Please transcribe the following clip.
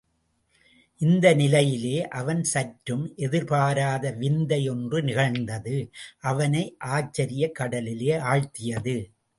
இந்த நிலையிலே அவன் சற்றும் எதிர்பாராத விந்தை ஒன்று நிகழ்ந்து, அவனை ஆச்சரியக் கடலில் ஆழ்த்தியது.